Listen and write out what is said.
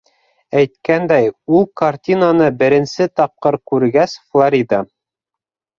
Әйткәндәй, ул картинаны беренсе тапҡыр күргәс, Флорида: